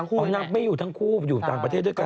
ถูกขอว่าอยู่ต่างประเทศด้วย